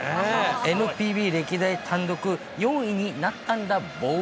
ＮＰＢ歴代単独４位になったんだボー。